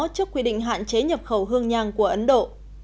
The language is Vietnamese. trước quy định hạn chế nhập khẩu hương nhang của ấn độ